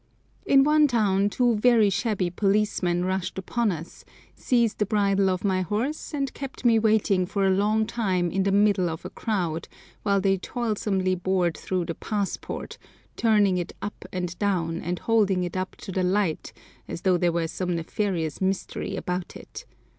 In one town two very shabby policemen rushed upon us, seized the bridle of my horse, and kept me waiting for a long time in the middle of a crowd, while they toilsomely bored through the passport, turning it up and down, and holding it up to the light, as though there were some nefarious mystery about it.